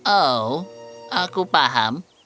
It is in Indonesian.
oh aku paham